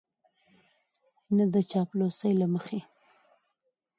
نه د چاپلوسۍ له مخې